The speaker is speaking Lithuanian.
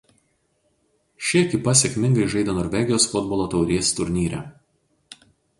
Ši ekipa sėkmingai žaidė Norvegijos futbolo taurės turnyre.